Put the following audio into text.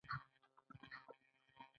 دوی اړ دي تر څو خپل کاري ځواک وپلوري